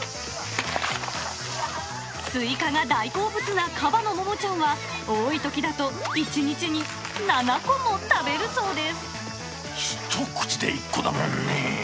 スイカが大好物なカバのモモちゃんは、多いときだと１日に７一口で１個だもんね。